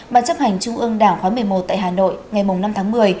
ban chấp hành trung ương đảng khóa một mươi một tại hà nội ngày năm tháng một mươi